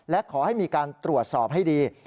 และขอให้มีการตรวจสอบให้ดี